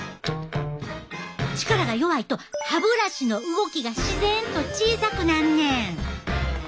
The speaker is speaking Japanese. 力が弱いと歯ブラシの動きが自然と小さくなんねん。